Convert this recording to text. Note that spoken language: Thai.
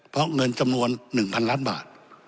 เพราะเงินจำนวน๑๐๐ล้านบาท